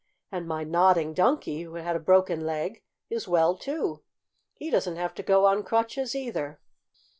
And my Nodding Donkey, who had a broken leg, is well, too! He doesn't have to go on crutches, either!"